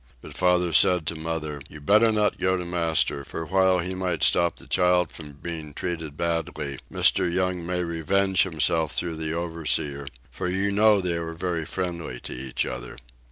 But father said to mother, "You better not go to master, for while he might stop the child from being treated badly, Mr. Young may revenge himself through the overseer, for you know that they are very friendly to each other."